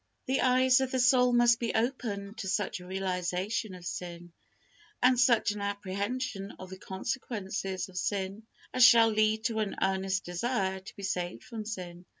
The eyes of the soul must be opened to such a realization of sin, and such an apprehension of the consequences of sin, as shall lead to an earnest desire to be saved from sin.